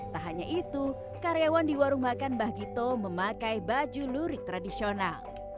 tak hanya itu karyawan di warung makan mbah gito memakai baju lurik tradisional